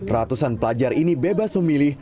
ratusan pelajar ini bebas memilih